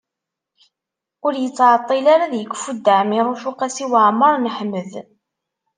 Ur yettɛeṭṭil ara ad yekfu Dda Ɛmiiruc u Qasi Waɛmer n Ḥmed.